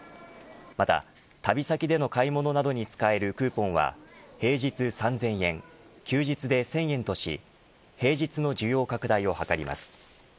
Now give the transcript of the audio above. また旅先での買い物などに使えるクーポンは平日３０００円休日で１０００円とし平日の需要拡大を図ります。